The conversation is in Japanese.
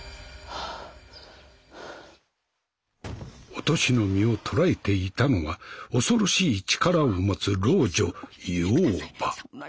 お敏の身を捕らえていたのは恐ろしい力を持つ老女妖婆。